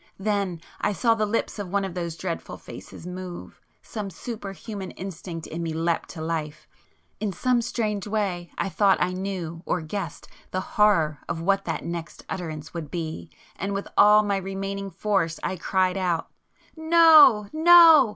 Then—I saw the lips of one of those dreadful faces move ... some superhuman instinct in me leaped to life, ... in some strange way I thought I knew, or guessed the horror of what that next utterance would be, ... and with all my remaining force I cried out— "No! No!